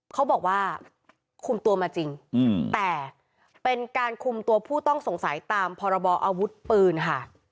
เขาบอกว่าคุมตัวมาจริงแต่เป็นการคุมตัวผู้ต้องสงสัยตามพรบออาวุธปืนค่ะ